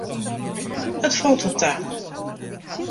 It falt wat ta.